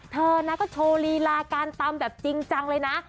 เธอนะก็โชว์ลีลาการตำแบบจริงจังเลยนะ